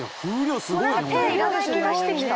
もう何か手いらない気がしてきた。